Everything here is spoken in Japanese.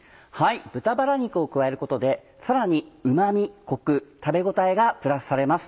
豚バラ肉を加えることでさらにうま味コク食べ応えがプラスされます。